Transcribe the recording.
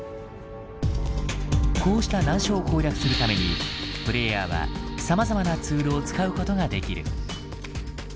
こうした難所を攻略するためにプレイヤーはさまざまなツールを使うことができる。